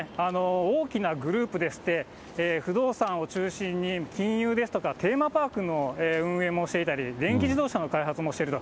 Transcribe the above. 大きなグループでして、不動産を中心に金融ですとか、テーマパークの運営もしていたり、電気自動車の開発もしてると。